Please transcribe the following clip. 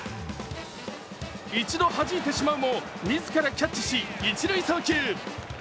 １度はじいてしまうも自らキャッチし一塁送球。